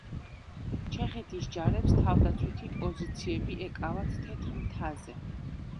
ჩეხეთის ჯარებს თავდაცვითი პოზიციები ეკავათ თეთრ მთაზე.